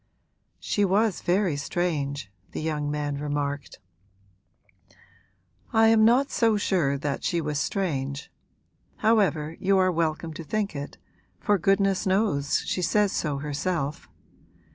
'She was very strange,' the young man remarked. 'I am not so sure that she was strange. However, you are welcome to think it, for goodness knows she says so herself.